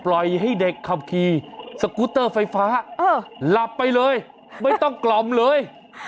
ปล่อยให้เด็กขับขี่สกูตเตอร์ไฟฟ้าหลับไปเลยไม่ต้องกล่อมเลย